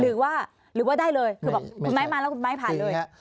หรือว่าหรือว่าได้เลยคือบอกคุณไม้มาแล้วคุณไม้ผ่านเลย